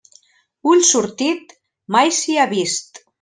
Ull sortit, mai sia vist.